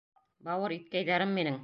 Бауыр иткәйҙәрем минең.